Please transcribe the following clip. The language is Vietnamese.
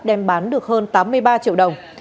đem bán được hơn tám mươi ba triệu đồng